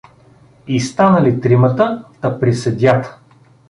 И станали тримата, та при съдията.